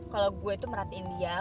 kalo gue itu merhatiin dia